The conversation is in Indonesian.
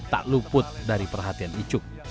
tak luput dari perhatian icuk